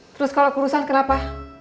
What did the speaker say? terus kalo kurusan kenapa